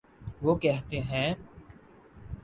وہ کہتے ہیں۔